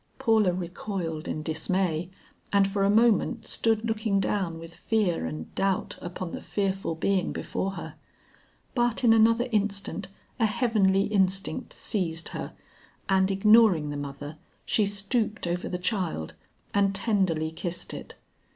Paula recoiled in dismay, and for a moment stood looking down with fear and doubt upon the fearful being before her. But in another instant a heavenly instinct seized her, and ignoring the mother, she stooped over the child and tenderly kissed it.